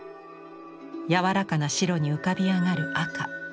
柔らかな白に浮かび上がる赤。